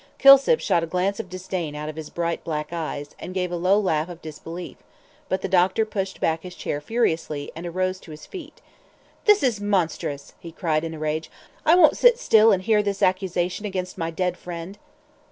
Kilsip shot a glance of disdain out of his bright black eyes, and gave a low laugh of disbelief, but the doctor pushed back his chair furiously, and arose to his feet. "This is monstrous," he cried, in a rage. "I won't sit still and hear this accusation against my dead friend."